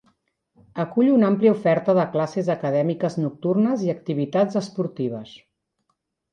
Acull una àmplia oferta de classes acadèmiques nocturnes i activitats esportives.